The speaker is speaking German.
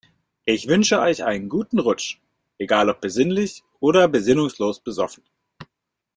Ich wünsche euch einen guten Rutsch, egal ob besinnlich oder besinnungslos besoffen.